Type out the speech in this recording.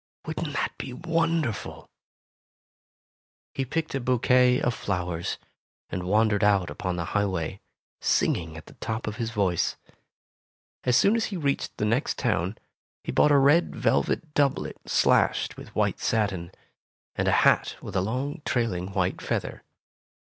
Wouldn't that be won derful ?" 62 Tales of Modern Germany He picked a bouquet of flowers, and wandered out upon the highway, singing at the top of his voice. As soon as he reached the next town, he bought a red velvet doublet slashed with white satin* and a hat with a long, trailing white feather.